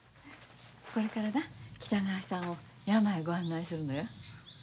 これからな北川さんを山へご案内するのよ。